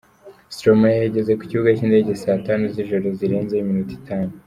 Stromae yageze ku kibuga cy’indege saa tanu z’ijoro zirenzeho iminota itanu.